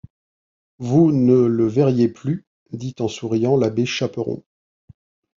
Vous ne le verriez plus, dit en souriant l’abbé Chaperon.